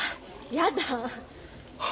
やだ。